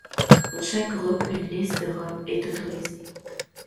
Pour chaque groupe, une liste de robes est autorisée.